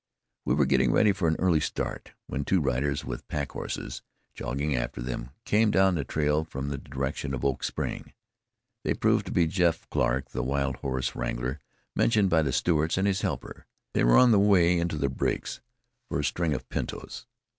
We were getting ready for an early start, when two riders, with pack horses jogging after them, came down the trail from the direction of Oak Spring. They proved to be Jeff Clarke, the wild horse wrangler mentioned by the Stewarts, and his helper. They were on the way into the breaks for a string of pintos.